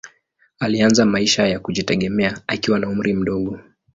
Alianza maisha ya kujitegemea akiwa na umri mdogo.